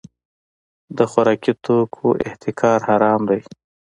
د خوراکي توکو احتکار حرام دی.